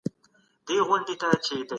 که زه پاچا شوم، څلور سوه ښځې به کوم